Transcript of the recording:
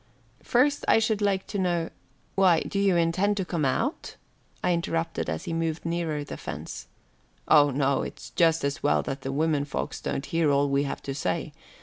"First, I should like to know why, do you intend to come out?" I interrupted as he moved nearer the fence. "Oh, no; but it's just as well that the women folks don't hear all we have to say.